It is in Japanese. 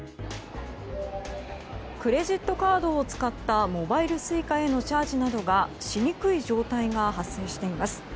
クレジットカードを使ったモバイルＳｕｉｃａへのチャージなどがしにくい状態が発生しています。